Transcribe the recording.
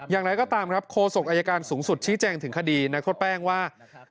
อย่างไรก็ตามครับโคศกอายการสูงสุดชี้แจงถึงคดีนักโทษแป้งว่า